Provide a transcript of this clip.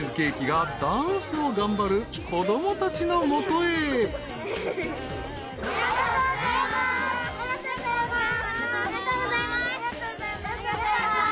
ありがとうございます。